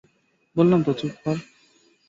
বললাম তো, চুপ কর।